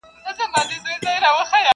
هېره دي وعده د لطافت او د عطا نسي.